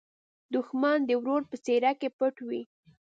دښمن د ورور په څېره کې پټ وي